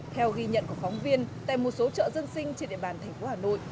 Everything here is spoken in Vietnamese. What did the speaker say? theo ghi nhận của phóng viên tại một số chợ dân sinh trên địa bàn thành phố hà nội